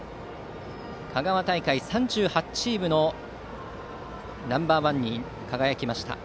香川大会３８チームのナンバー１に輝きました。